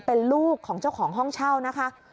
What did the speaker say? เป็นลูกของเจ้าของห้องเช่านะคะ